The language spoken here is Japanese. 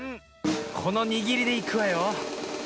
このにぎりでいくわよ。